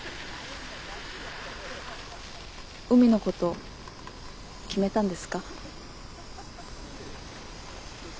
海のこと決めたんですか？